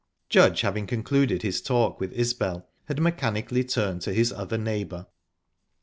Judge, having concluded his talk with Isbel, had mechanically turned to his other neighbour.